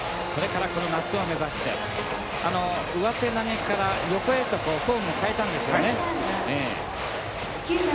それからこの夏を目指して上手投げから横へとフォームを変えたんですよね。